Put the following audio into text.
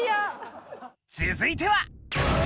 続いては。